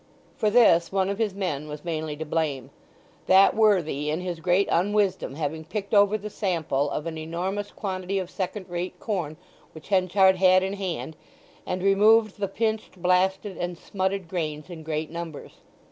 For this, one of his men was mainly to blame; that worthy, in his great unwisdom, having picked over the sample of an enormous quantity of second rate corn which Henchard had in hand, and removed the pinched, blasted, and smutted grains in great numbers.